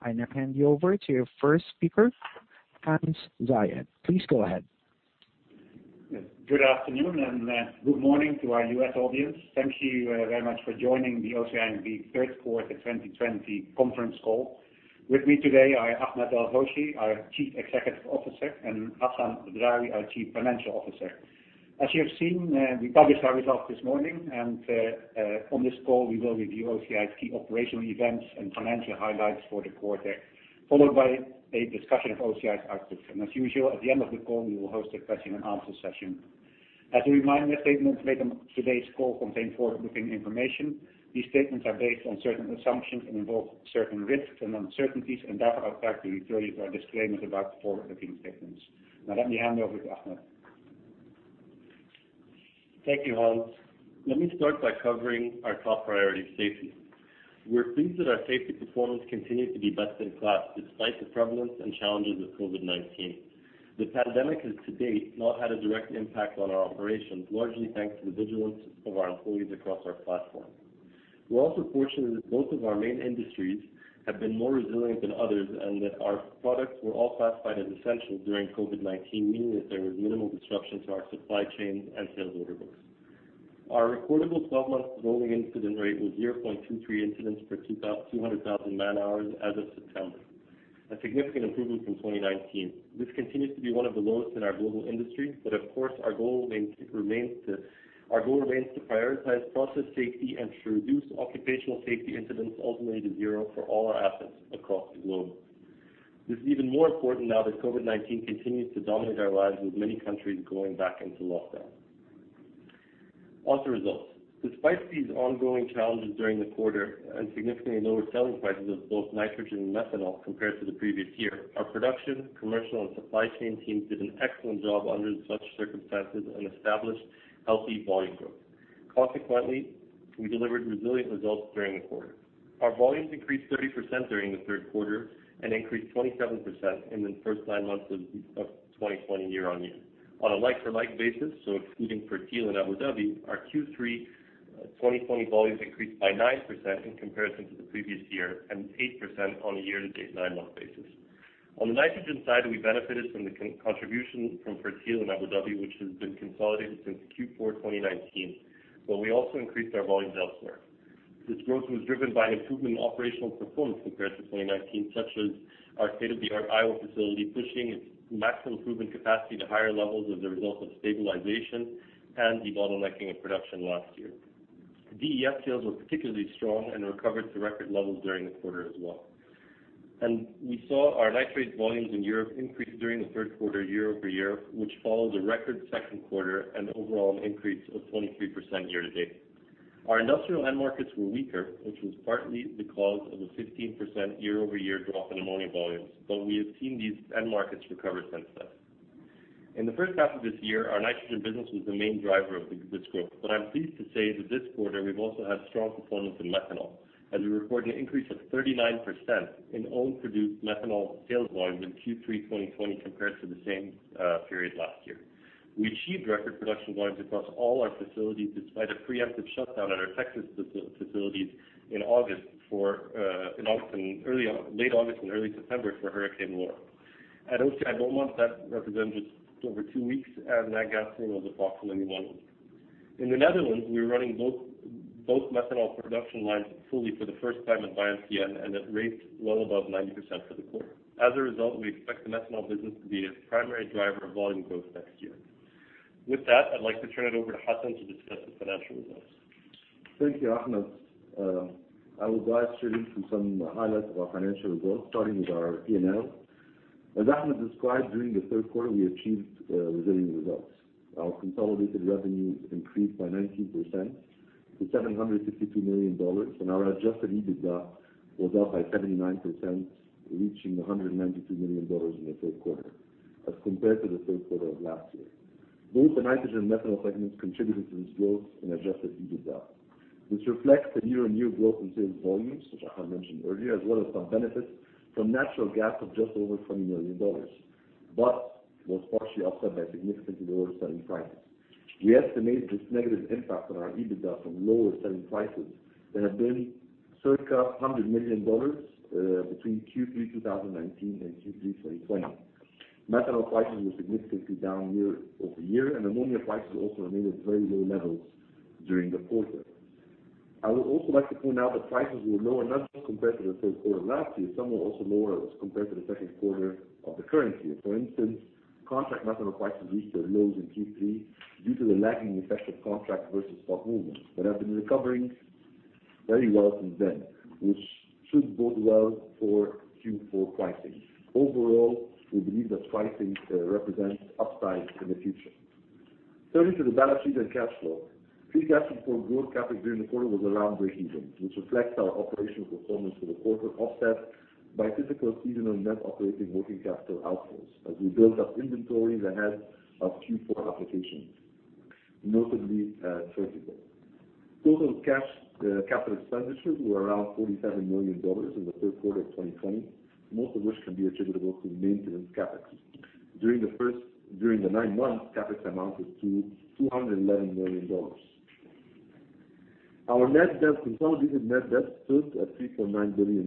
I now hand you over to your first speaker, Hans Zayed. Please go ahead. Good afternoon and good morning to our U.S. audience. Thank you very much for joining the OCI and the third quarter 2020 conference call. With me today are Ahmed El-Hoshy, our Chief Executive Officer, and Hassan Badrawi, our Chief Financial Officer. As you have seen, we published our results this morning. On this call, we will review OCI's key operational events and financial highlights for the quarter, followed by a discussion of OCI's outlook. As usual, at the end of the call, we will host a question and answer session. As a reminder, statements made on today's call contain forward-looking information. These statements are based on certain assumptions and involve certain risks and uncertainties. Therefore, I'll refer you to our disclaimer about forward-looking statements. Now let me hand over to Ahmed. Thank you, Hans. Let me start by covering our top priority, safety. We're pleased that our safety performance continued to be best in class, despite the prevalence and challenges of COVID-19. The pandemic has to date not had a direct impact on our operations, largely thanks to the vigilance of our employees across our platform. We're also fortunate that both of our main industries have been more resilient than others, and that our products were all classified as essential during COVID-19, meaning that there was minimal disruption to our supply chain and sales order books. Our recordable 12-month rolling incident rate was 0.23 incidents per 200,000 man-hours as of September, a significant improvement from 2019. This continues to be one of the lowest in our global industry, but of course, our goal remains to prioritize process safety and to reduce occupational safety incidents ultimately to zero for all our assets across the globe. This is even more important now that COVID-19 continues to dominate our lives, with many countries going back into lockdown. On to results. Despite these ongoing challenges during the quarter and significantly lower selling prices of both nitrogen and methanol compared to the previous year, our production, commercial, and supply chain teams did an excellent job under such circumstances and established healthy volume growth. Consequently, we delivered resilient results during the quarter. Our volumes increased 30% during the third quarter and increased 27% in the first nine months of 2020 year-on-year. On a like for like basis, excluding Fertiglobe, our Q3 2020 volumes increased by 9% in comparison to the previous year and 8% on a year-to-date nine-month basis. On the nitrogen side, we benefited from the contribution from Fertiglobe, which has been consolidated since Q4 2019, we also increased our volumes elsewhere. This growth was driven by improvement in operational performance compared to 2019, such as our state-of-the-art Iowa facility pushing its maximum proven capacity to higher levels as a result of stabilization and debottlenecking of production last year. DEF sales were particularly strong and recovered to record levels during the quarter as well. We saw our nitrate volumes in Europe increase during the third quarter year-over-year, which followed a record second quarter and overall an increase of 23% year-to-date. Our industrial end markets were weaker, which was partly the cause of a 15% year-over-year drop in ammonia volumes, but we have seen these end markets recover since then. In the first half of this year, our nitrogen business was the main driver of this growth, but I'm pleased to say that this quarter we've also had strong performance in methanol, as we record an increase of 39% in own produced methanol sales volume in Q3 2020 compared to the same period last year. We achieved record production volumes across all our facilities despite a preemptive shutdown at our Texas facilities in late August and early September for Hurricane Laura. At OCI Beaumont, that represented over two weeks and Natgas was approximately one week. In the Netherlands, we were running both methanol production lines fully for the first time at BioMCN and at rates well above 90% for the quarter. As a result, we expect the methanol business to be a primary driver of volume growth next year. With that, I'd like to turn it over to Hassan to discuss the financial results. Thank you, Ahmed. I will dive straight into some highlights of our financial results, starting with our P&L. As Ahmed described, during the third quarter, we achieved resilient results. Our consolidated revenues increased by 19% to $752 million, and our adjusted EBITDA was up by 79%, reaching $192 million in the third quarter as compared to the third quarter of last year. Both the nitrogen and methanol segments contributed to this growth in adjusted EBITDA, which reflects the year-on-year growth in sales volumes, which Ahmed mentioned earlier, as well as some benefits from natural gas of just over $20 million, but was partially offset by significantly lower selling prices. We estimate this negative impact on our EBITDA from lower selling prices that have been circa $100 million between Q3 2019 and Q3 2020. Methanol prices were significantly down year-over-year, and ammonia prices also remained at very low levels during the quarter. I would also like to point out that prices were lower not just compared to the third quarter last year, some were also lower as compared to the second quarter of the current year. For instance, contract methanol prices reached their lows in Q3 due to the lagging effect of contract versus spot movements that have been recovering very well since then, which should bode well for Q4 pricing. Overall, we believe that pricing represents upside in the future. Turning to the balance sheet and cash flow. Free cash flow growth CapEx during the quarter was around breakeven, which reflects our operational performance for the quarter, offset by typical seasonal net operating working capital outflows as we built up inventory in ahead of Q4 applications, notably, Fertiglobe. Total capital expenditures were around $47 million in the third quarter of 2020, most of which can be attributable to maintenance CapEx. During the nine months, CapEx amounted to $211 million. Our consolidated net debt stood at $3.9 billion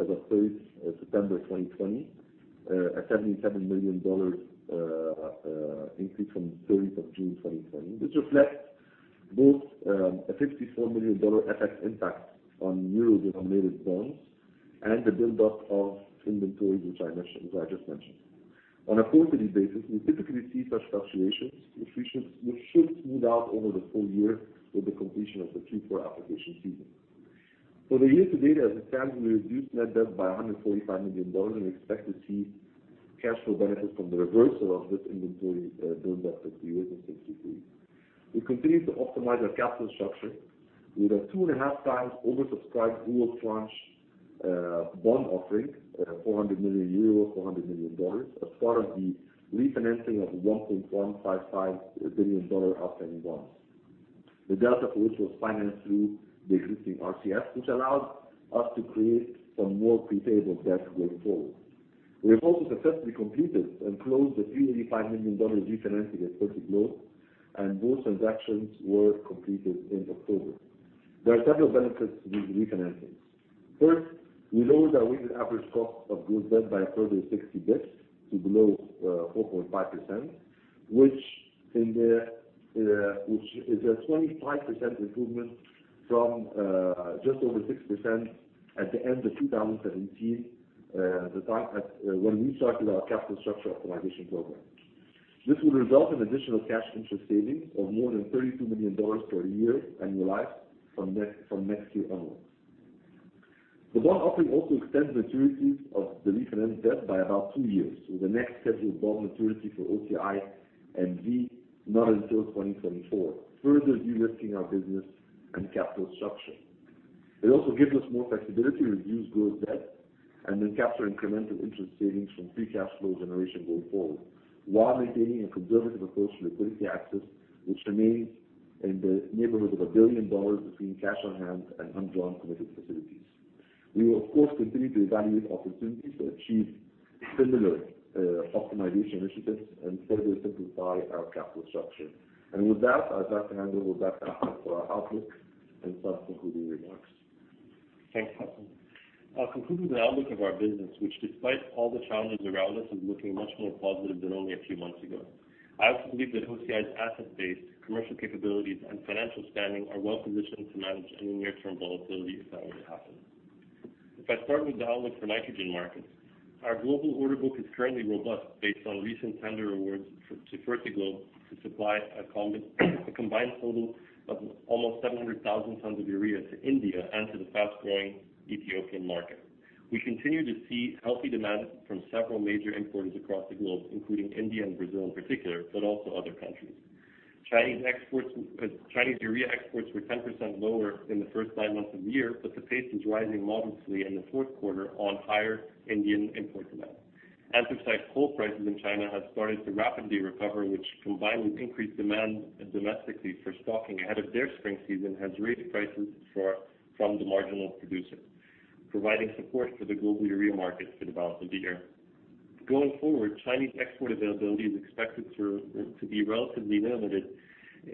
as of 30th September 2020, a $77 million increase from the 30th of June 2020, which reflects both a $54 million FX impact on euro-denominated bonds and the build-up of inventory, which I just mentioned. On a quarterly basis, we typically see such fluctuations, which should smooth out over the full year with the completion of the Q4 application season. For the year to date as it stands, we reduced net debt by $145 million and we expect to see cash flow benefits from the reversal of this inventory build-up that we witnessed in Q3. We continue to optimize our capital structure with a two and a half times oversubscribed dual tranche bond offering, 400 million euro, $400 million as part of the refinancing of $1.155 billion outstanding bonds. The delta for which was financed through the existing RCFs, which allowed us to create some more pre-payable debt going forward. We have also successfully completed and closed the $385 million refinancing at Fertiglobe, and both transactions were completed in October. There are several benefits to these refinancings. First, we lowered our weighted average cost of gross debt by a further 60 basis points to below 4.5%, which is a 25% improvement from just over 6% at the end of 2017, when we started our capital structure optimization program. This will result in additional cash interest savings of more than $32 million per year annualized from next Q onwards. The bond offering also extends maturities of the refinanced debt by about two years with the next scheduled bond maturity for OCI N.V. not until 2024, further derisking our business and capital structure. It also gives us more flexibility to reduce gross debt and then capture incremental interest savings from free cash flow generation going forward while maintaining a conservative approach to liquidity access, which remains in the neighborhood of $1 billion between cash on hand and undrawn committed facilities. We will, of course, continue to evaluate opportunities to achieve similar optimization initiatives and further simplify our capital structure. With that, I'd like to hand over back to Ahmed for our outlook and some concluding remarks. Thanks, Hassan. Concluding the outlook of our business, which despite all the challenges around us is looking much more positive than only a few months ago. I also believe that OCI's asset base, commercial capabilities, and financial standing are well-positioned to manage any near-term volatility if that were to happen. If I start with the outlook for nitrogen markets, our global order book is currently robust based on recent tender awards to Fertiglobe to supply a combined total of almost 700,000 tons of urea to India and to the fast-growing Ethiopian market. We continue to see healthy demand from several major importers across the globe, including India and Brazil in particular, but also other countries. Chinese urea exports were 10% lower than the first nine months of the year, but the pace is rising modestly in the fourth quarter on higher Indian import demand. Anthracite coal prices in China have started to rapidly recover, which combined with increased demand domestically for stocking ahead of their spring season, has raised prices from the marginal producer, providing support for the global urea market for the balance of the year. Going forward, Chinese export availability is expected to be relatively limited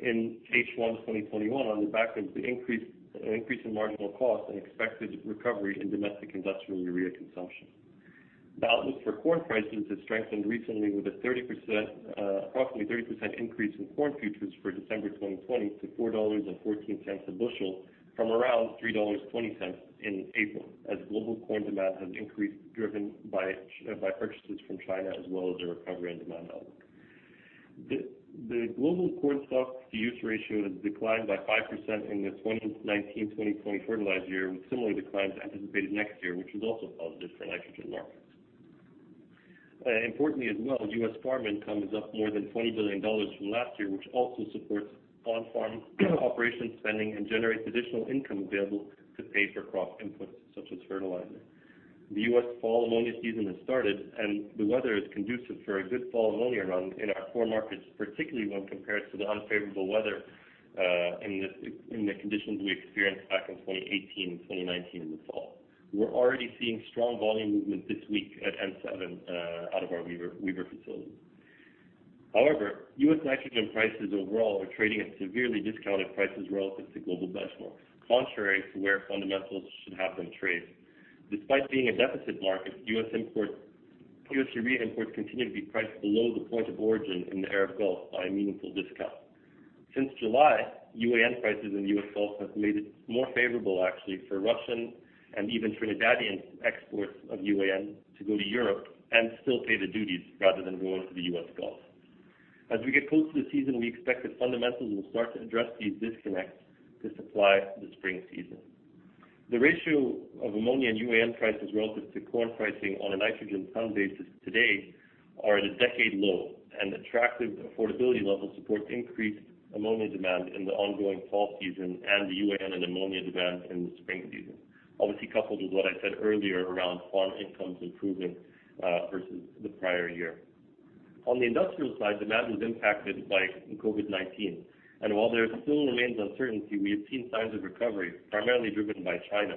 in H1 2021 on the back of the increase in marginal cost and expected recovery in domestic industrial urea consumption. The outlook for corn prices has strengthened recently with approximately 30% increase in corn futures for December 2020 to $4.14 a bushel from around $3.20 in April, as global corn demand has increased, driven by purchases from China, as well as a recovery in demand outlook. The global corn stock to use ratio has declined by 5% in the 2019-2020 fertilizer year, with similar declines anticipated next year, which is also positive for nitrogen markets. Importantly as well, U.S. farm income is up more than $20 billion from last year, which also supports on-farm operation spending and generates additional income available to pay for crop inputs such as fertilizer. The U.S. fall ammonia season has started, and the weather is conducive for a good fall ammonia run in our core markets, particularly when compared to the unfavorable weather in the conditions we experienced back in 2018 and 2019 in the fall. We're already seeing strong volume movement this week at N7 out of our Wever facility. However, U.S. nitrogen prices overall are trading at severely discounted prices relative to global benchmarks, contrary to where fundamentals should have them trade. Despite being a deficit market, U.S. urea imports continue to be priced below the port of origin in the Arab Gulf by a meaningful discount. Since July, UAN prices in the U.S. Gulf have made it more favorable actually for Russian and even Trinidadian exports of UAN to go to Europe and still pay the duties rather than going to the U.S. Gulf. As we get close to the season, we expect that fundamentals will start to address these disconnects to supply the spring season. The ratio of ammonia and UAN prices relative to corn pricing on a nitrogen ton basis today are at a decade low. Attractive affordability levels support increased ammonia demand in the ongoing fall season and the UAN and ammonia demand in the spring season. Obviously, coupled with what I said earlier around farm incomes improving, versus the prior year. On the industrial side, demand was impacted by COVID-19, and while there still remains uncertainty, we have seen signs of recovery, primarily driven by China.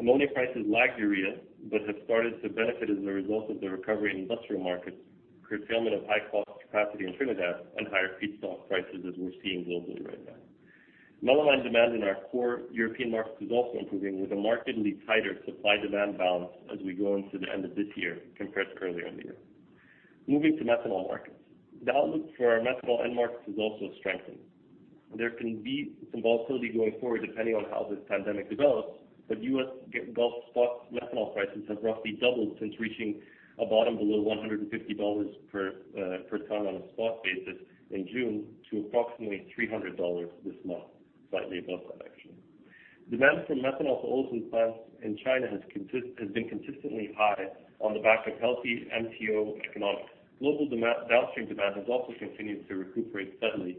Ammonia prices lagged urea, but have started to benefit as a result of the recovery in industrial markets, curtailment of high-cost capacity in Trinidad, and higher feedstock prices as we're seeing globally right now. Melamine demand in our core European markets is also improving, with a markedly tighter supply-demand balance as we go into the end of this year compared to earlier in the year. Moving to methanol markets. The outlook for our methanol end markets has also strengthened. There can be some volatility going forward depending on how this pandemic develops, but U.S. Gulf spot methanol prices have roughly doubled since reaching a bottom below $150 per ton on a spot basis in June to approximately $300 this month, slightly above that actually. Demand for methanol to olefin plants in China has been consistently high on the back of healthy MTO economics. Global downstream demand has also continued to recuperate steadily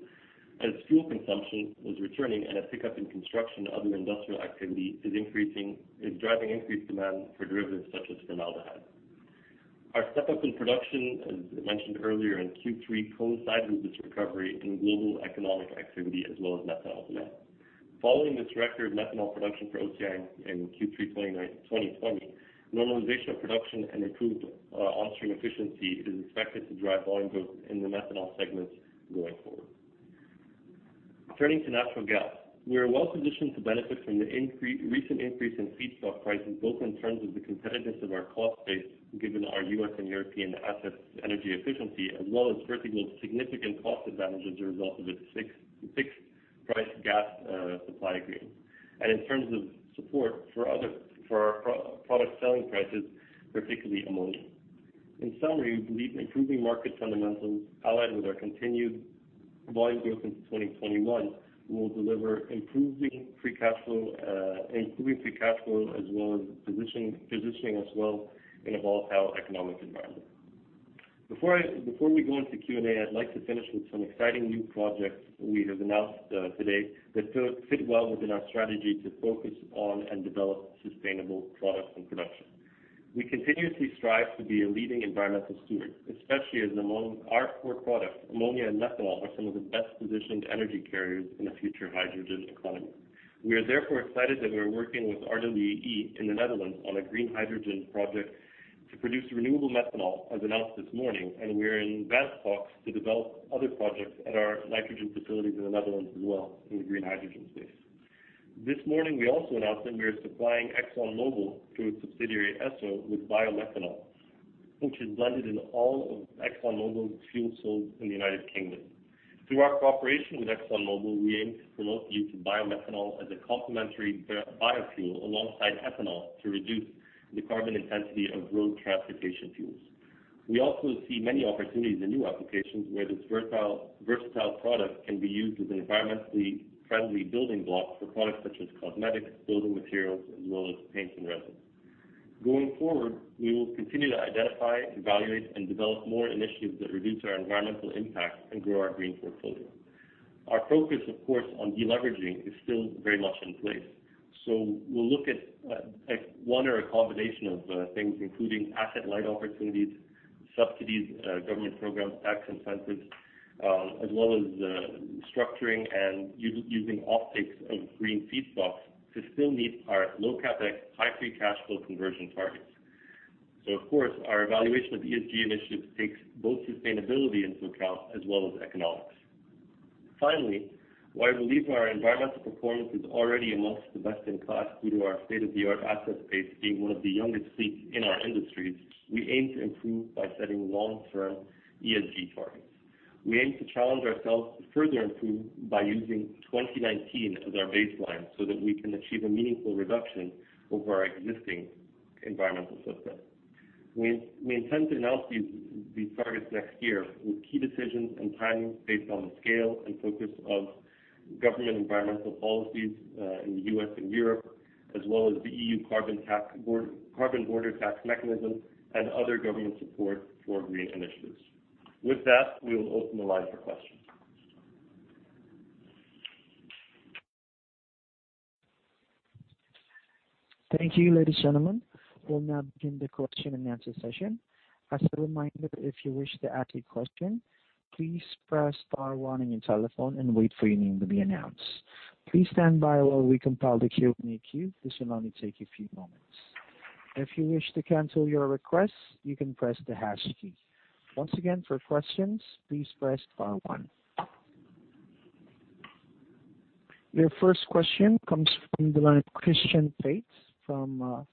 as fuel consumption is returning and a pickup in construction and other industrial activity is driving increased demand for derivatives such as formaldehyde. Our step-up in production, as mentioned earlier in Q3, coincided with this recovery in global economic activity as well as methanol demand. Following this record methanol production for OCI in Q3 2020, normalization of production and improved upstream efficiency is expected to drive volume growth in the methanol segments going forward. Turning to natural gas. We are well positioned to benefit from the recent increase in feedstock prices, both in terms of the competitiveness of our cost base, given our U.S. and European assets' energy efficiency, as well as Fertiglobe's significant cost advantages as a result of its fixed price gas supply agreement. In terms of support for our product selling prices, particularly ammonia. In summary, we believe improving market fundamentals, allied with our continued volume growth into 2021, will deliver improving free cash flow as well as positioning us well in a volatile economic environment. Before we go into Q&A, I'd like to finish with some exciting new projects we have announced today that fit well within our strategy to focus on and develop sustainable products and production. We continuously strive to be a leading environmental steward, especially as our core products, ammonia and methanol, are some of the best-positioned energy carriers in a future hydrogen economy. We are therefore excited that we are working with RWE in the Netherlands on a green hydrogen project to produce renewable methanol, as announced this morning, and we are in advanced talks to develop other projects at our nitrogen facilities in the Netherlands as well in the green hydrogen space. This morning, we also announced that we are supplying ExxonMobil through subsidiary Esso with biomethanol, which is blended in all of ExxonMobil's fuel sold in the United Kingdom. Through our cooperation with ExxonMobil, we aim to promote the use of biomethanol as a complementary biofuel alongside ethanol to reduce the carbon intensity of road transportation fuels. We also see many opportunities in new applications where this versatile product can be used as an environmentally friendly building block for products such as cosmetics, building materials, as well as paints and resins. Going forward, we will continue to identify, evaluate, and develop more initiatives that reduce our environmental impact and grow our green portfolio. Our focus, of course, on de-leveraging is still very much in place. We'll look at one or a combination of things, including asset-light opportunities, subsidies, government programs, tax incentives, as well as structuring and using off-takes of green feedstocks to still meet our low CapEx, high free cash flow conversion targets. Of course, our evaluation of ESG initiatives takes both sustainability into account as well as economics. Finally, while we believe our environmental performance is already amongst the best-in-class due to our state-of-the-art asset base being one of the youngest fleets in our industries, we aim to improve by setting long-term ESG targets. We aim to challenge ourselves to further improve by using 2019 as our baseline so that we can achieve a meaningful reduction over our existing environmental footprint. We intend to announce these targets next year with key decisions and timings based on the scale and focus of government environmental policies in the U.S. and Europe, as well as the Carbon Border Adjustment Mechanism and other government support for green initiatives. With that, we will open the line for questions. Thank you, ladies and gentlemen. Your first question comes from the line of Christian Faitz from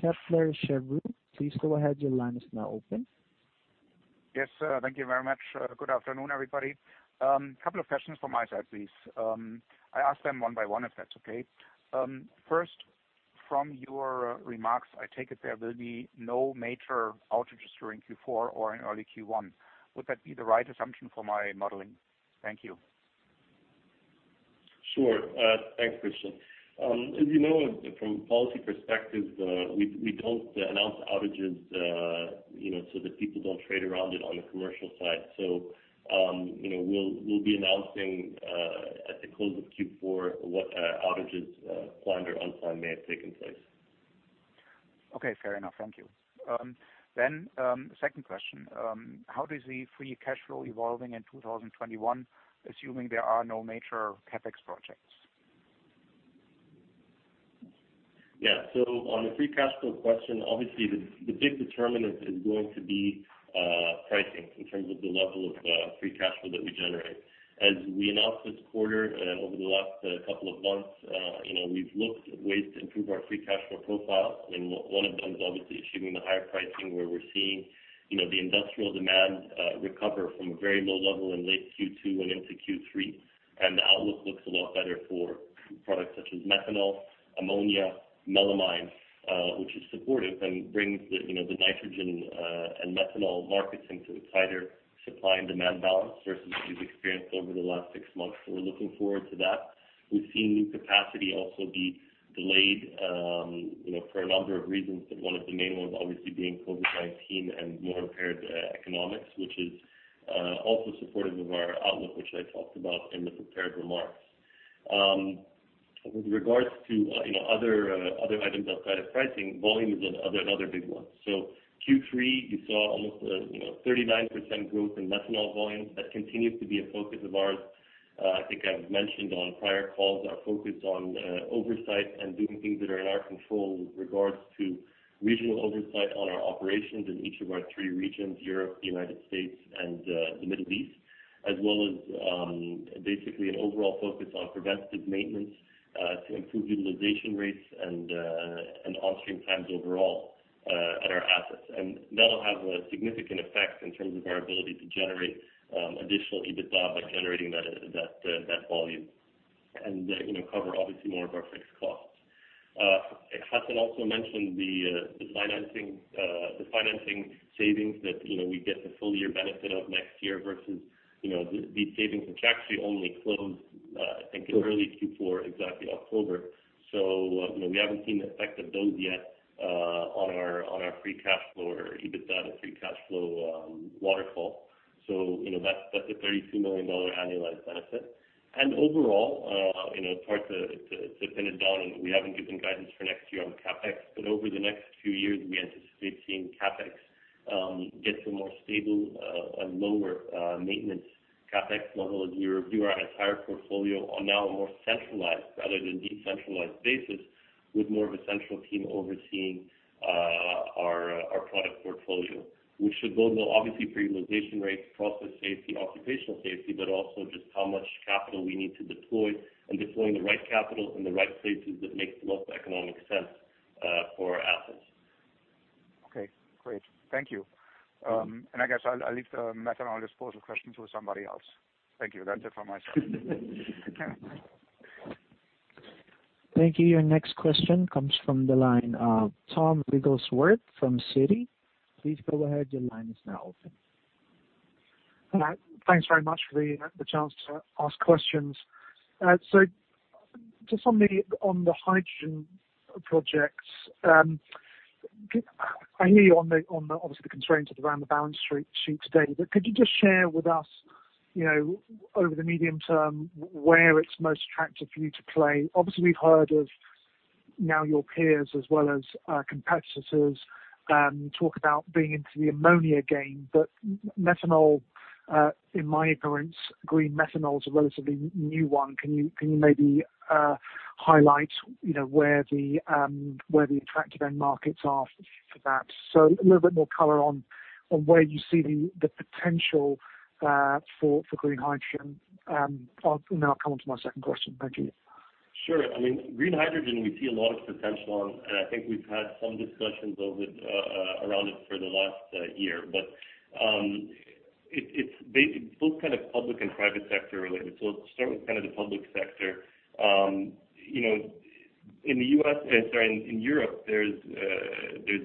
Kepler Cheuvreux. Please go ahead, your line is now open. Yes, thank you very much. Good afternoon, everybody. Couple of questions from my side, please. I ask them one by one, if that's okay. From your remarks, I take it there will be no major outages during Q4 or in early Q1. Would that be the right assumption for my modeling? Thank you. Sure. Thanks, Christian. As you know, from policy perspectives, we don't announce outages so that people don't trade around it on the commercial side. We'll be announcing at the close of Q4 what outages, planned or unplanned, may have taken place. Okay. Fair enough. Thank you. Second question. How does the free cash flow evolving in 2021, assuming there are no major CapEx projects? Yeah. On the free cash flow question, obviously, the big determinant is going to be pricing in terms of the level of free cash flow that we generate. As we announced this quarter, over the last couple of months, we've looked at ways to improve our free cash flow profile, and one of them is obviously achieving the higher pricing where we're seeing the industrial demand recover from a very low level in late Q2 and into Q3. The outlook looks a lot better for products such as methanol, ammonia, melamine, which is supportive and brings the nitrogen and methanol markets into a tighter supply and demand balance versus what we've experienced over the last six months. We're looking forward to that. We've seen new capacity also be delayed for a number of reasons, but one of the main ones obviously being COVID-19 and more impaired economics, which is also supportive of our outlook, which I talked about in the prepared remarks. Q3, you saw almost 39% growth in methanol volumes. That continues to be a focus of ours. I think I've mentioned on prior calls our focus on oversight and doing things that are in our control with regards to regional oversight on our operations in each of our three regions, Europe, the United States, and the Middle East, as well as basically an overall focus on preventative maintenance to improve utilization rates and onstream times overall at our assets. That'll have a significant effect in terms of our ability to generate additional EBITDA by generating that volume and cover obviously more of our fixed costs. Hassan also mentioned the financing savings that we get the full year benefit of next year versus these savings, which actually only closed I think in early Q4, exactly October. We haven't seen the effect of those yet on our free cash flow or EBITDA to free cash flow waterfall. That's a $32 million annualized benefit. Overall, to pin it down, we haven't given guidance for next year on CapEx, but over the next few years, we anticipate seeing CapEx get to a more stable and lower maintenance CapEx level as you review our entire portfolio on now a more centralized rather than decentralized basis with more of a central team overseeing our product portfolio. Which should bode well obviously for utilization rates, process safety, occupational safety, but also just how much capital we need to deploy and deploying the right capital in the right places that makes the most economic sense for our assets. Okay, great. Thank you. I guess I'll leave the methanol disposal question to somebody else. Thank you. That's it from my side. Thank you. Your next question comes from the line of Thomas Wrigglesworth from Citi. Please go ahead. Thanks very much for the chance to ask questions. Just on the hydrogen projects. I hear you on the, obviously, the constraints around the balance sheet to date, but could you just share with us, over the medium term, where it's most attractive for you to play? Obviously, we've heard of now your peers as well as competitors talk about being into the ammonia game, but methanol, in my experience, green methanol is a relatively new one. Can you maybe highlight where the attractive end markets are for that? A little bit more color on where you see the potential for green hydrogen. I'll come onto my second question. Thank you. Sure. Green hydrogen we see a lot of potential on. I think we've had some discussions around it for the last year. It's both kind of public and private sector related. I'll start with the public sector. In Europe, there's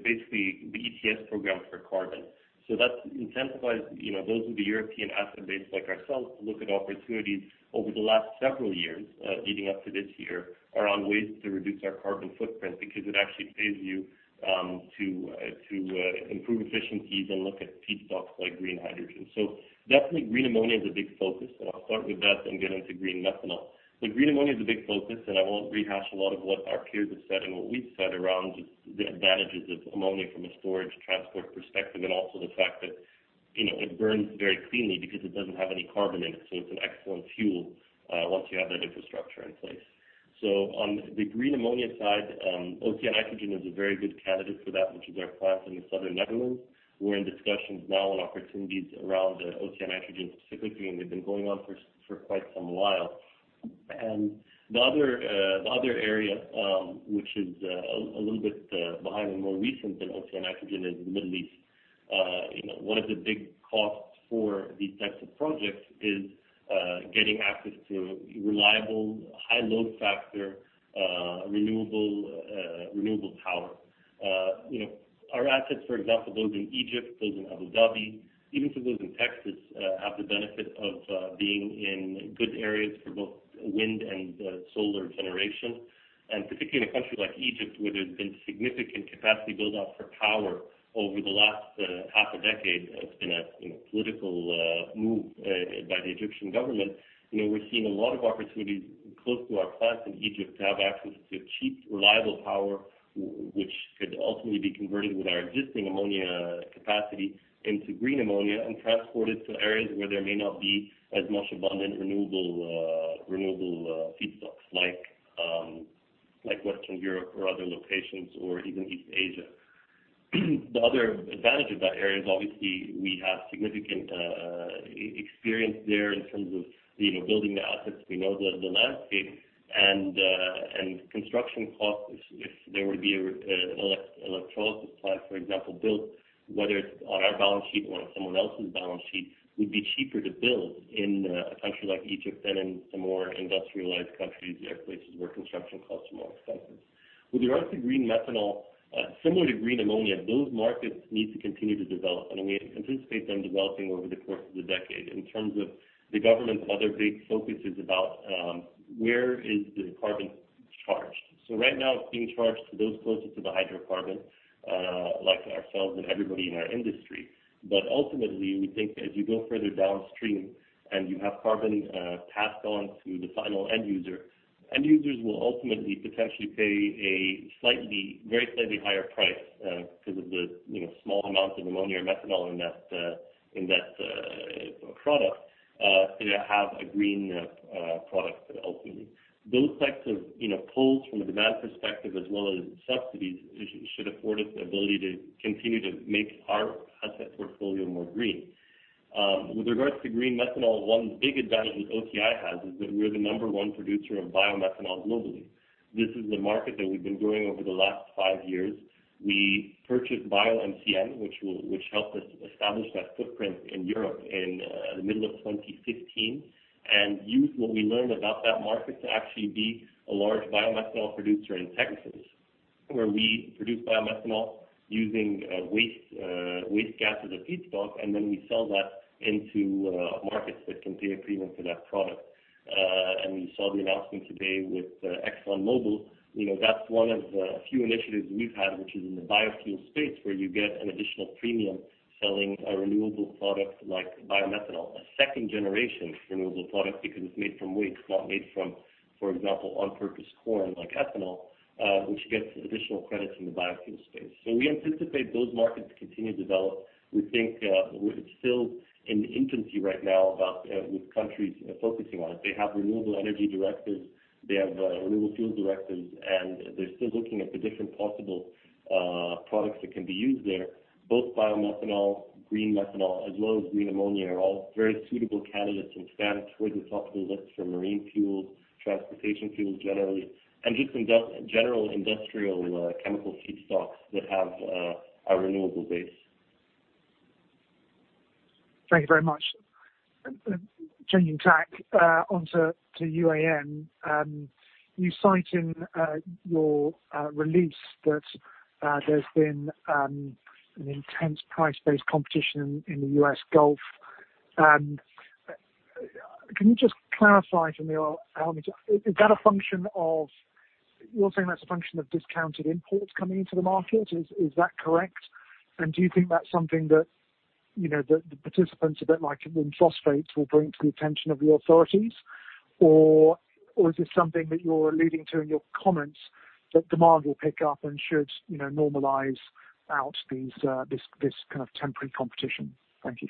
basically the ETS program for carbon. That incentivizes those with the European asset base, like ourselves, to look at opportunities over the last several years leading up to this year, around ways to reduce our carbon footprint because it actually pays you to improve efficiencies and look at feedstocks like green hydrogen. Definitely green ammonia is a big focus, and I'll start with that, then get into green methanol. Green ammonia is a big focus, and I won't rehash a lot of what our peers have said and what we've said around just the advantages of ammonia from a storage transport perspective, and also the fact that it burns very cleanly because it doesn't have any carbon in it. It's an excellent fuel once you have that infrastructure in place. On the green ammonia side, OCI Nitrogen is a very good candidate for that, which is our plant in the Southern Netherlands. We're in discussions now on opportunities around OCI Nitrogen specifically, and they've been going on for quite some while. The other area, which is a little bit behind and more recent than OCI Nitrogen is the Middle East. One of the big costs for these types of projects is getting access to reliable, high load factor, renewable power. Our assets, for example, those in Egypt, those in Abu Dhabi, even some of those in Texas, have the benefit of being in good areas for both wind and solar generation. Particularly in a country like Egypt, where there's been significant capacity build-out for power over the last half a decade. It's been a political move by the Egyptian government. We're seeing a lot of opportunities close to our plants in Egypt to have access to cheap, reliable power, which could ultimately be converted with our existing ammonia capacity into green ammonia and transported to areas where there may not be as much abundant renewable feedstocks like Western Europe or other locations, or even East Asia. The other advantage of that area is obviously we have significant experience there in terms of building the assets. We know the landscape and construction costs, if there would be an electrolysis plant, for example, built, whether it's on our balance sheet or on someone else's balance sheet, would be cheaper to build in a country like Egypt than in some more industrialized countries. There are places where construction costs are more expensive. With regards to green methanol, similar to green ammonia, those markets need to continue to develop, and we anticipate them developing over the course of the decade. In terms of the government's other big focus is about where is the carbon charged. Right now it's being charged to those closest to the hydrocarbon, like ourselves and everybody in our industry. Ultimately, we think as you go further downstream and you have carbon passed on to the final end user, end users will ultimately potentially pay a very slightly higher price because of the small amounts of ammonia or methanol in that product to have a green product ultimately. Those types of pulls from a demand perspective as well as subsidies should afford us the ability to continue to make our asset portfolio more green. With regards to green methanol, one big advantage OCI has is that we're the number 1 producer of biomethanol globally. This is a market that we've been growing over the last five years. We purchased BioMCN, which helped us establish that footprint in Europe in the middle of 2015 and used what we learned about that market to actually be a large biomethanol producer in Texas, where we produce biomethanol using waste gas as a feedstock, and then we sell that into markets that can pay a premium for that product. We saw the announcement today with ExxonMobil. That's one of a few initiatives we've had, which is in the biofuel space, where you get an additional premium selling a renewable product like biomethanol, a second-generation renewable product because it's made from waste, not made from, for example, on-purpose corn like ethanol, which gets additional credits in the biofuel space. We anticipate those markets to continue to develop. We think it's still in infancy right now with countries focusing on it. They have renewable energy directives, they have renewable fuel directives, and they're still looking at the different possible products that can be used there. Both biomethanol, green methanol, as well as green ammonia, are all very suitable candidates and stand towards the top of the list for marine fuels, transportation fuels generally, and even general industrial chemical feedstocks that have a renewable base. Thank you very much. Changing tack onto UAN. You cite in your release that there's been an intense price-based competition in the U.S. Gulf. Can you just clarify for me, is that a function of discounted imports coming into the market? Is that correct? Do you think that's something that the participants, a bit like in phosphates, will bring to the attention of the authorities? Is this something that you're alluding to in your comments that demand will pick up and should normalize out this kind of temporary competition? Thank you.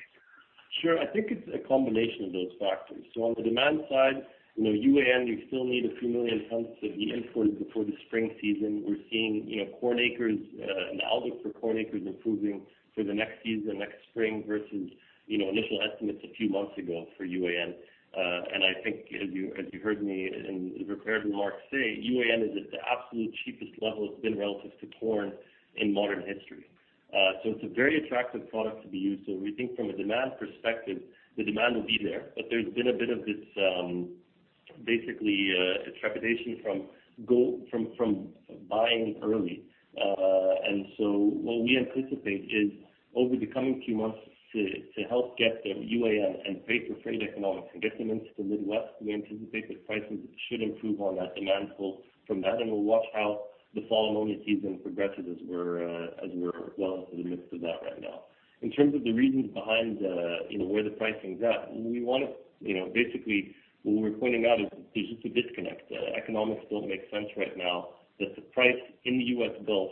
Sure. I think it's a combination of those factors. On the demand side, UAN, you still need a few million tons to be imported before the spring season. We're seeing an outlook for corn acres improving for the next season, next spring, versus initial estimates a few months ago for UAN. I think as you heard me in prepared remarks say, UAN is at the absolute cheapest level it's been relative to corn in modern history. It's a very attractive product to be used. We think from a demand perspective, the demand will be there. There's been a bit of this basically trepidation from buying early. What we anticipate is over the coming few months to help get the UAN and freight economics and get them into the Midwest, we anticipate that prices should improve on that demand pull from that. We'll watch how the fall ammonia season progresses as we're well into the midst of that right now. In terms of the reasons behind where the pricing's at, basically what we're pointing out is there's just a disconnect. The economics don't make sense right now that the price in the U.S. Gulf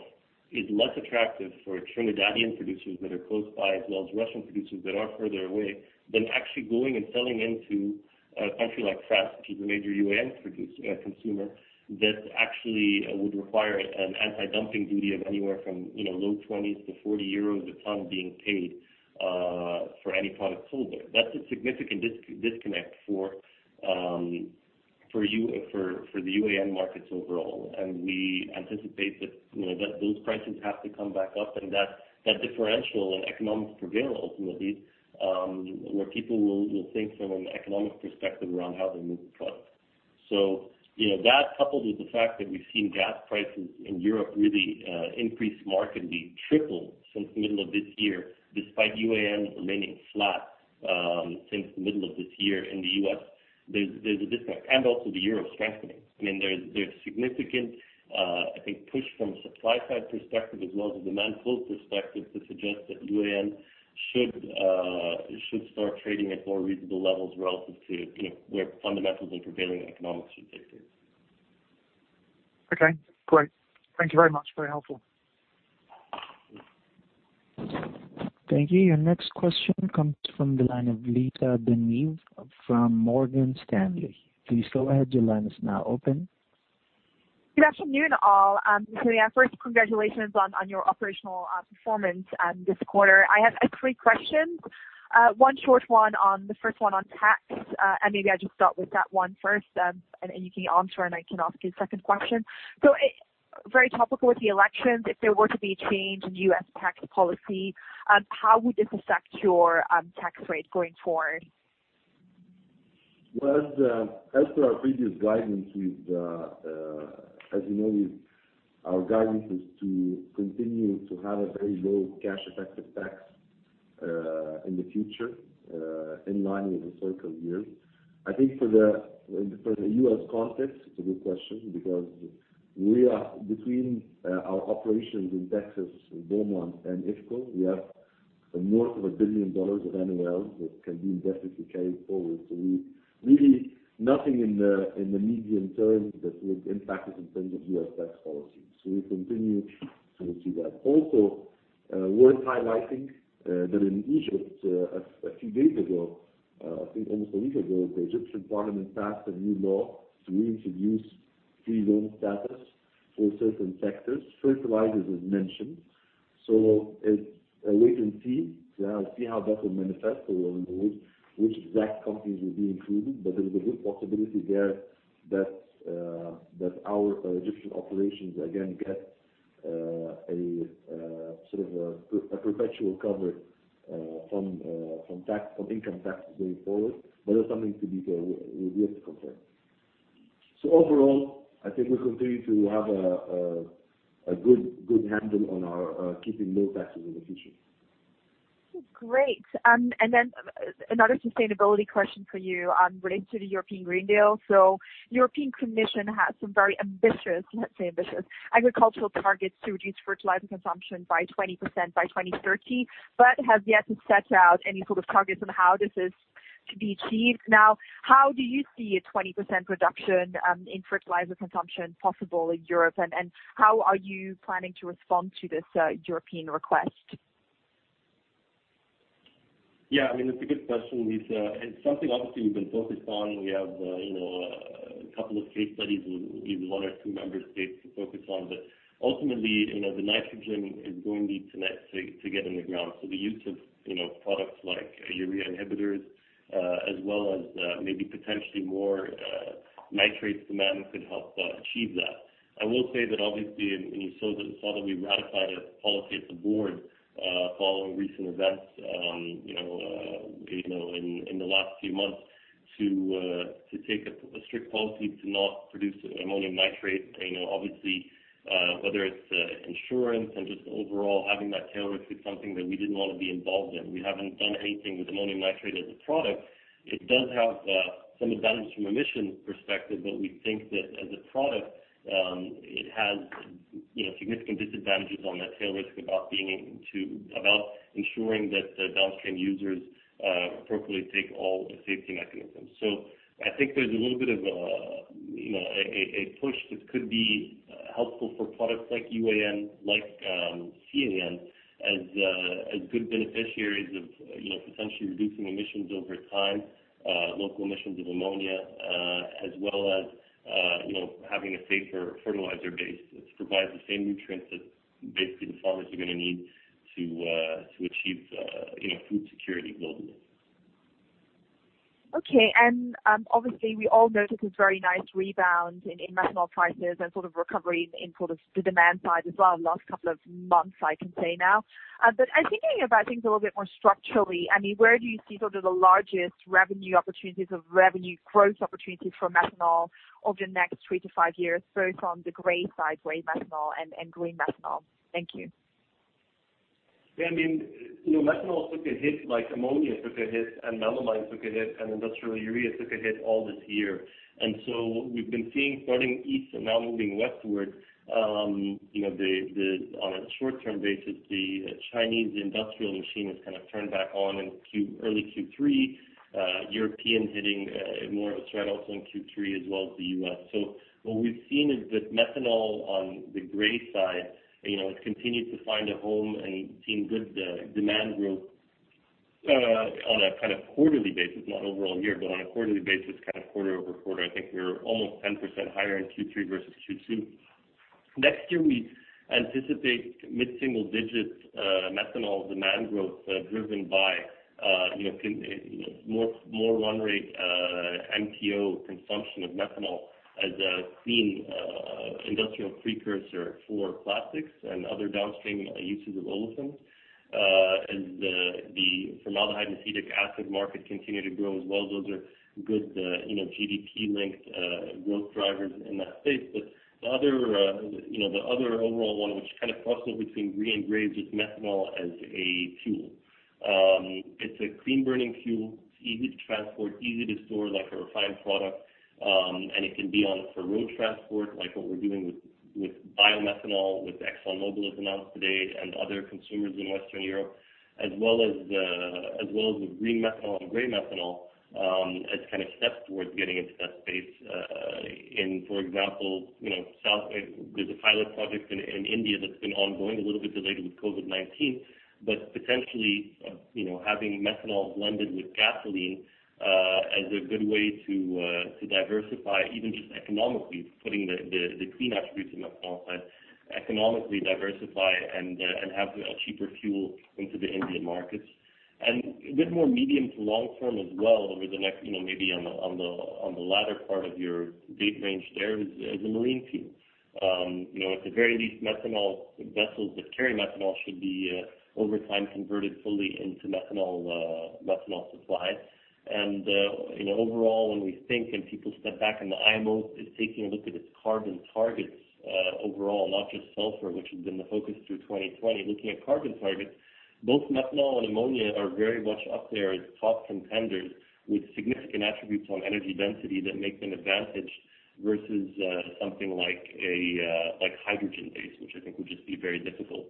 is less attractive for Trinidadian producers that are close by, as well as Russian producers that are further away, than actually going and selling into a country like France, which is a major UAN consumer, that actually would require an anti-dumping duty of anywhere from low 20-40 euros a ton being paid for any product sold there. That's a significant disconnect for the UAN markets overall, and we anticipate that those prices have to come back up and that differential and economics prevail ultimately, where people will think from an economic perspective around how they move product. That coupled with the fact that we've seen gas prices in Europe really increase markedly, triple since the middle of this year, despite UAN remaining flat since the middle of this year in the U.S., there's a disconnect. Also the euro strengthening. There's significant, I think, push from a supply side perspective as well as a demand pull perspective to suggest that UAN should start trading at more reasonable levels relative to where fundamentals and prevailing economics should take it. Okay, great. Thank you very much. Very helpful. Thank you. Your next question comes from the line of Lisa De Neve from Morgan Stanley. Please go ahead, your line is now open. Good afternoon, all. Yeah, first congratulations on your operational performance this quarter. I have three questions. One short one on the first one on tax, maybe I just start with that one first, you can answer and I can ask you the second question. Very topical with the elections, if there were to be a change in U.S. tax policy, how would this affect your tax rate going forward? Well, as per our previous guidance, as you know, our guidance is to continue to have a very low cash effective tax in the future, in line with historical years. I think for the U.S. context, it's a good question because between our operations in Texas, in Beaumont and IFCo, we have more of a $1 billion of NOLs that can be indefinitely carried forward. Really nothing in the medium term that would impact us in terms of U.S. tax policy. We continue to see that. Also worth highlighting, that in Egypt, a few days ago, I think almost a week ago, the Egyptian parliament passed a new law to reintroduce free zone status for certain sectors, fertilizers as mentioned. Wait and see how that will manifest or which exact companies will be included. There's a good possibility there that our Egyptian operations again get a sort of a perpetual cover from income tax going forward. That's something we have to confirm. Overall, I think we continue to have a good handle on our keeping low taxes in the future. Great. Another sustainability question for you related to the European Green Deal. European Commission has some very ambitious, let's say ambitious agricultural targets to reduce fertilizer consumption by 20% by 2030, but has yet to set out any sort of targets on how this is to be achieved. Now, how do you see a 20% reduction in fertilizer consumption possible in Europe? How are you planning to respond to this European request? It's a good question, Lisa. It's something obviously we've been focused on. We have a couple of case studies in even one or two member states we focus on. Ultimately, the nitrogen is going to need to get in the ground. The use of products like urea inhibitors, as well as maybe potentially more nitrates demand could help achieve that. I will say that obviously in the fall that we ratified a policy at the board, following recent events, in the last few months to take a strict policy to not produce ammonium nitrate. Whether it's insurance and just overall having that tail risk, it's something that we didn't want to be involved in. We haven't done anything with ammonium nitrate as a product. It does have some advantage from emissions perspective, but we think that as a product, it has significant disadvantages on that tail risk about ensuring that the downstream users appropriately take all the safety mechanisms. I think there's a little bit of a push that could be helpful for products like UAN, like CAN as good beneficiaries of potentially reducing emissions over time, local emissions of ammonia, as well as having a safer fertilizer base that provides the same nutrients that basically the farmers are going to need to achieve food security globally. Okay. Obviously we all noticed this very nice rebound in methanol prices and sort of recovery in sort of the demand side as well the last couple of months, I can say now. Thinking about things a little bit more structurally, where do you see sort of the largest revenue opportunities or revenue growth opportunities for methanol over the next three to five years, both on the gray side, gray methanol and green methanol? Thank you. Yeah, methanol took a hit like ammonia took a hit and melamine took a hit and industrial urea took a hit all this year. What we've been seeing starting east and now moving westward, on a short-term basis, the Chinese industrial machine has kind of turned back on in early Q3, European hitting more of a tread also in Q3 as well as the U.S. What we've seen is that methanol on the gray side has continued to find a home and seen good demand growth, on a kind of quarterly basis, not overall year, but on a quarterly basis, kind of quarter-over-quarter, I think we're almost 10% higher in Q3 versus Q2. Next year, we anticipate mid-single-digit methanol demand growth driven by more run rate MTO consumption of methanol as a clean industrial precursor for plastics and other downstream uses of olefins. As the formaldehyde and acetic acid market continue to grow as well, those are good GDP-linked growth drivers in that space. The other overall one, which crossovers between green grades, is methanol as a fuel. It's a clean-burning fuel. It's easy to transport, easy to store, like a refined product, and it can be on road transport, like what we're doing with biomethanol, which ExxonMobil has announced today, and other consumers in Western Europe, as well as the green methanol and gray methanol as steps towards getting into that space. For example, there's a pilot project in India that's been ongoing, a little bit delayed with COVID-19, but potentially, having methanol blended with gasoline as a good way to diversify, even just economically, putting the clean attributes of methanol aside, economically diversify and have a cheaper fuel into the Indian markets. A bit more medium to long term as well, over the next, maybe on the latter part of your date range there, is the marine fuel. At the very least, methanol vessels that carry methanol should be, over time, converted fully into methanol supply. Overall, when we think and people step back and the IMO is taking a look at its carbon targets overall, not just sulfur, which has been the focus through 2020. Looking at carbon targets, both methanol and ammonia are very much up there as top contenders with significant attributes on energy density that make them advantage versus something like a hydrogen base, which I think would just be very difficult.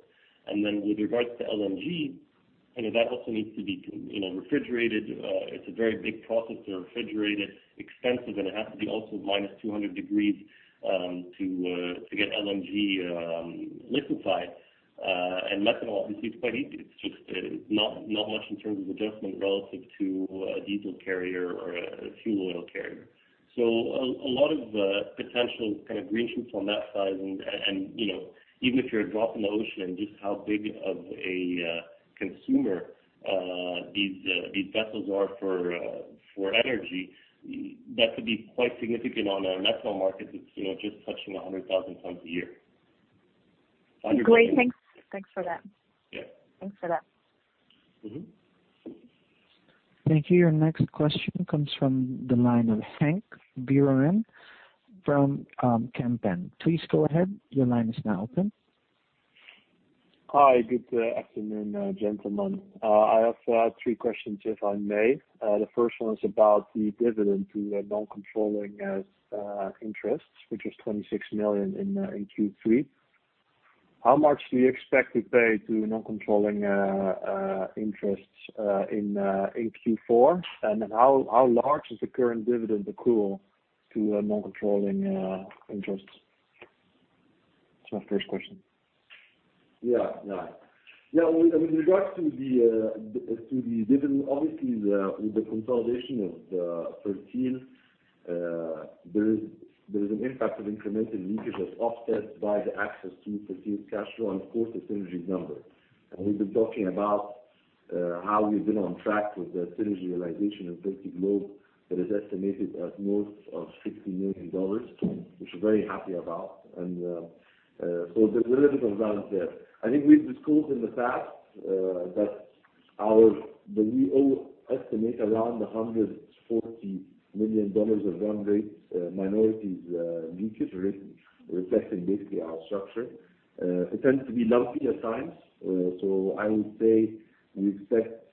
Then with regards to LNG, that also needs to be refrigerated. It's a very big process to refrigerate it, expensive, and it has to be also -200 degrees to get LNG liquified. Methanol, obviously, is quite easy. It's just not much in terms of adjustment relative to a diesel carrier or a fuel oil carrier. A lot of potential green shoots on that side. Even if you're a drop in the ocean and just how big of a consumer these vessels are for energy, that could be quite significant on a methanol market that's just touching 100,000 tons a year. Great. Thanks for that. Yeah. Thanks for that. Thank you. Your next question comes from the line of Henk Veerman from Kempen. Please go ahead. Your line is now open. Hi, good afternoon, gentlemen. I have three questions, if I may. The first one is about the dividend to non-controlling interests, which was $26 million in Q3. How much do you expect to pay to non-controlling interests in Q4? How large is the current dividend accrual to non-controlling interests? That's my first question. Yeah. With regards to the dividend, obviously, with the consolidation of Persil, there is an impact of incremental leakage that is offset by the access to Persil's cash flow and, of course, the synergies number. We've been talking about how we've been on track with the synergy realization of Fertiglobe that is estimated at north of $60 million, which we're very happy about. There's a little bit of balance there. I think we've disclosed in the past that we all estimate around $140 million of run rate minority leakage reflecting basically our structure. It tends to be lumpy at times. I would say we expect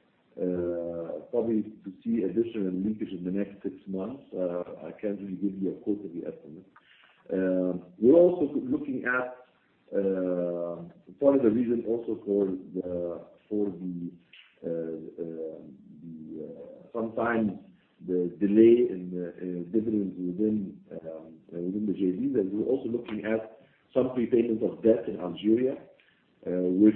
probably to see additional leakage in the next six months. I can't really give you a quarterly estimate. Part of the reason also for sometimes the delay in the dividends within the JVs, is we're also looking at some prepayment of debt in Algeria, which,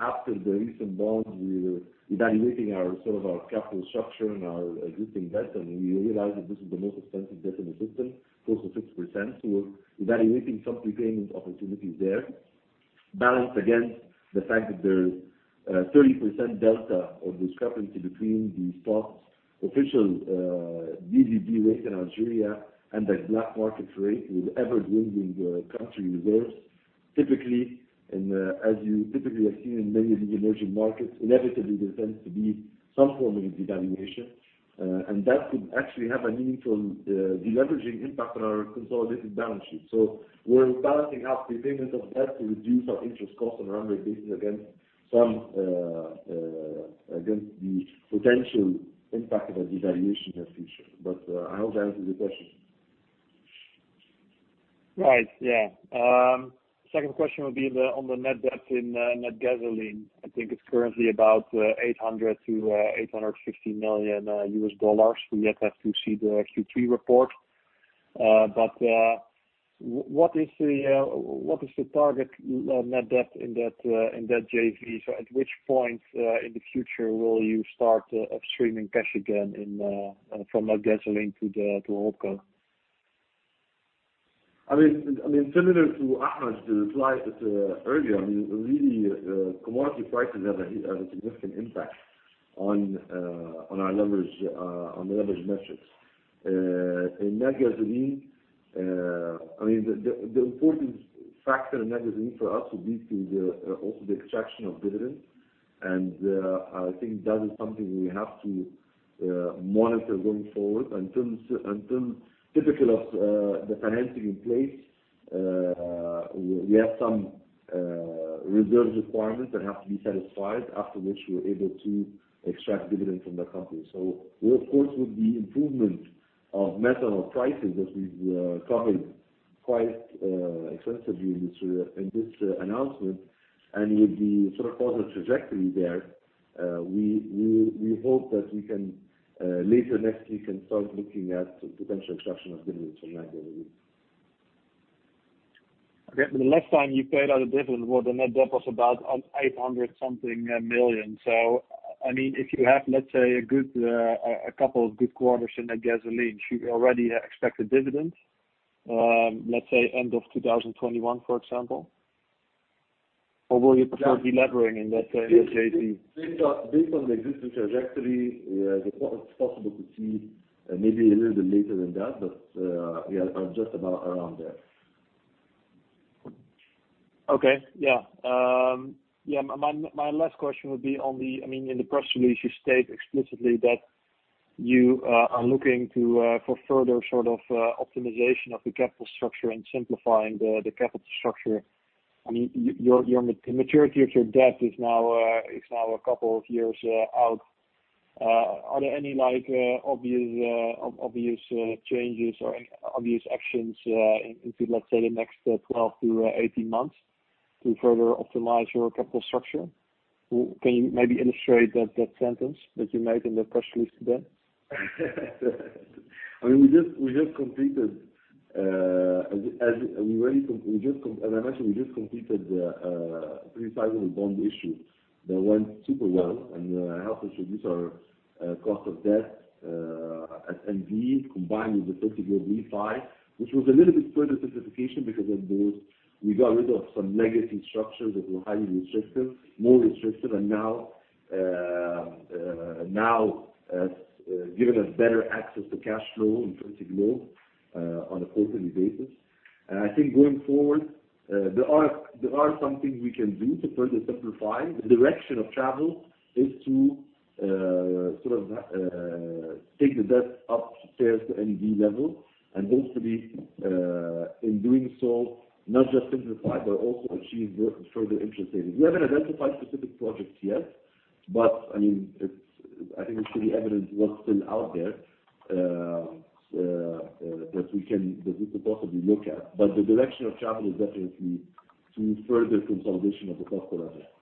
after the recent bond, we were evaluating our capital structure and our existing debt, and we realized that this is the most expensive debt in the system, close to 6%. We're evaluating some prepayment opportunities there, balanced against the fact that there's a 30% delta or discrepancy between the stock official DZD rate in Algeria and the black market rate with ever-dwindling country reserves. As you typically have seen in many of the emerging markets, inevitably, there tends to be some form of a devaluation, and that could actually have a meaningful de-leveraging impact on our consolidated balance sheet. We're balancing out prepayment of debt to reduce our interest cost on run rate basis against the potential impact of a devaluation in the future. I hope that answers your question. Right. Yeah. Second question would be on the net debt in Natgasoline. I think it's currently about $800 million-$850 million. We yet have to see the Q3 report. What is the target net debt in that JV? At which point in the future will you start upstreaming cash again from Natgasoline to OPCO? Similar to Ahmed's reply earlier, really, commodity prices have a significant impact on the leverage metrics. In Natgasoline, the important factor in Natgasoline for us would be also the extraction of dividends. I think that is something we have to monitor going forward. In terms, typical of the financing in place, we have some reserve requirements that have to be satisfied, after which we're able to extract dividends from the company. Of course, with the improvement of methanol prices, as we've covered quite extensively in this announcement, and with the positive trajectory there, we hope that later next year we can start looking at potential extraction of dividends from Natgasoline. Okay. The last time you paid out a dividend, the net debt was about $800 something million. If you have, let's say, a couple of good quarters in Natgasoline, should we already expect a dividend, let's say, end of 2021, for example? Will you prefer de-levering in that Based on the existing trajectory, it's possible to see maybe a little bit later than that, but just about around there. Okay. My last question would be on the press release you state explicitly that you are looking for further optimization of the capital structure and simplifying the capital structure. The maturity of your debt is now a couple of years out. Are there any obvious changes or obvious actions into, let's say, the next 12-18 months to further optimize your capital structure? Can you maybe illustrate that sentence that you made in the press release today? We just completed the upsizing bond issue that went super well and helped us reduce our cost of debt at N.V. combined with the defeasance of IFCo, which was a little bit further simplification because of those. We got rid of some legacy structures that were highly restrictive, more restrictive, and now has given us better access to cash flow and free cash flow on a quarterly basis. I think going forward, there are some things we can do to further simplify. The direction of travel is to take the debt upstairs to N.V. level, and hopefully, in doing so, not just simplify, but also achieve further interest savings. We haven't identified specific projects yet, but I think it's pretty evident what's still out there that we could possibly look at. The direction of travel is definitely to further consolidation of the cost of debt.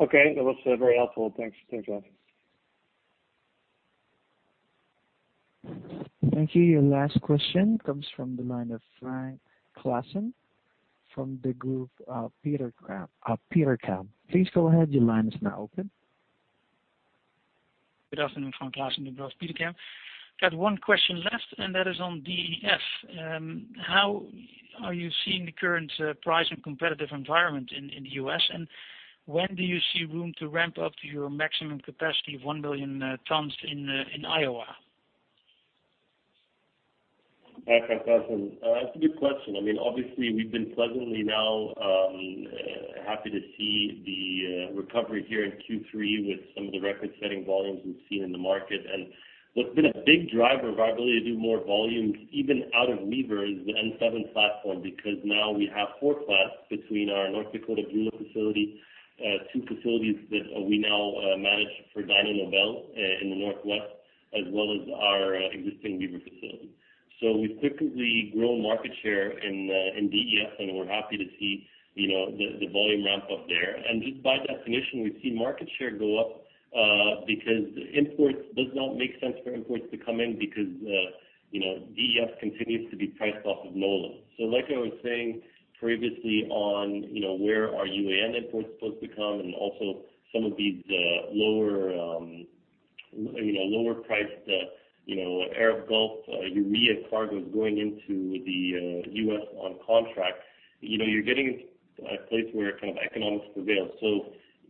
Okay. That was very helpful. Thanks. Thank you. Your last question comes from the line of Frank Claassen from Degroof Petercam. Please go ahead. Your line is now open. Good afternoon. Frank Claassen, Degroof Petercam. Got one question left, and that is on DEF. How are you seeing the current price and competitive environment in the U.S., and when do you see room to ramp up to your maximum capacity of 1 million tons in Iowa? Hi, Frank Claassen. That's a good question. Obviously, we've been pleasantly now happy to see the recovery here in Q3 with some of the record-setting volumes we've seen in the market. What's been a big driver of our ability to do more volumes, even out of Wever, is the N-7 platform, because now we have four plants between our North Dakota Wever facility, two facilities that we now manage for Dyno Nobel in the Northwest, as well as our existing Wever facility. We've quickly grown market share in DEF, and we're happy to see the volume ramp up there. Just by definition, we've seen market share go up because it does not make sense for imports to come in because DEF continues to be priced off of NOLA. Like I was saying previously on where our UAN imports supposed to come and also some of these lower priced Arab Gulf urea cargos going into the U.S. on contract, you're getting a place where economics prevails.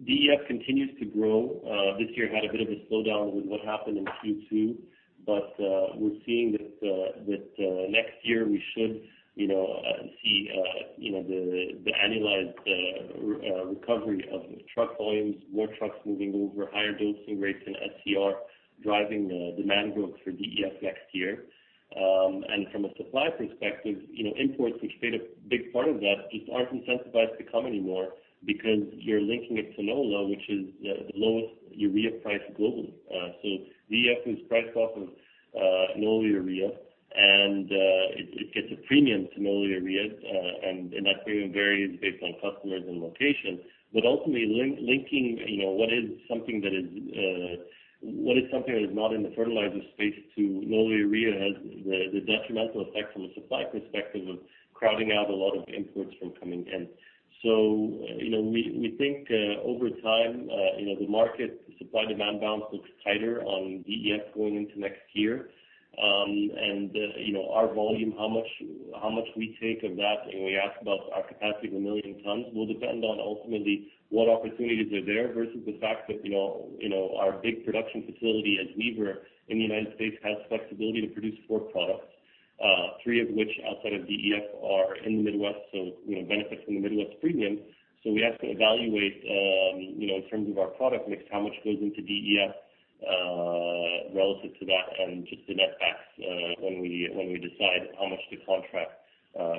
DEF continues to grow. This year had a bit of a slowdown with what happened in Q2, but we're seeing that next year we should see the annualized recovery of truck volumes, more trucks moving over, higher dosing rates in SCR, driving the demand growth for DEF next year. From a supply perspective, imports, which played a big part of that, just aren't incentivized to come anymore because you're linking it to NOLA, which is the lowest urea price globally. DEF is priced off of NOLA urea, and it gets a premium to NOLA urea, and that premium varies based on customers and location. Ultimately, linking what is something that is not in the fertilizer space to NOLA urea has the detrimental effect from a supply perspective of crowding out a lot of imports from coming in. We think over time the market supply-demand balance looks tighter on DEF going into next year. Our volume, how much we take of that, and we asked about our capacity of 1 million tons, will depend on ultimately what opportunities are there versus the fact that our big production facility at Wever in the United States has flexibility to produce four products, three of which outside of DEF are in the Midwest, so benefits from the Midwest premium. We have to evaluate, in terms of our product mix, how much goes into DEF relative to that and just the netbacks when we decide how much to contract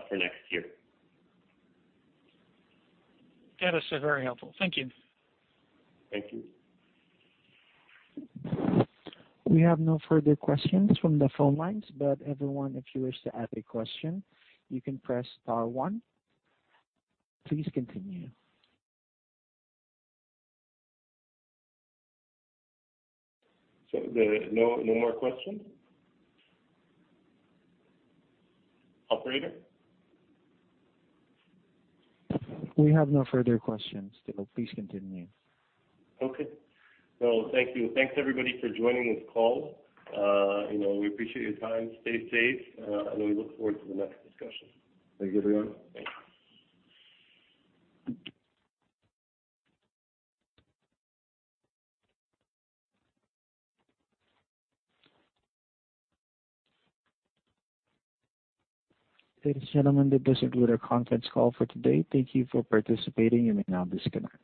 for next year. That is very helpful. Thank you. Thank you. We have no further questions from the phone lines. Everyone, if you wish to add a question, you can press star one. Please continue. There are no more questions? Operator? We have no further questions still. Please continue. Okay. Well, thank you. Thanks everybody for joining this call. We appreciate your time. Stay safe, and we look forward to the next discussion. Thank you, everyone. Thanks. Ladies and gentlemen, that does conclude our conference call for today. Thank you for participating. You may now disconnect.